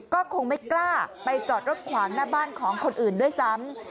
ก็คงไม่กล้าไปจอดรถขวางหน้าบ้านของคนอื่นด้วยซ้ำ